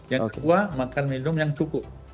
yang kedua makan minum yang cukup